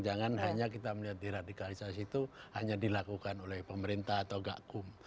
jangan hanya kita melihat deradikalisasi itu hanya dilakukan oleh pemerintah atau gakum